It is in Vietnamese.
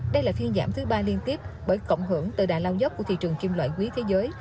đây là phiên giảm thứ ba liên tiếp bởi cộng hưởng từ đà lao dốc của thị trường kim loại quý thế giới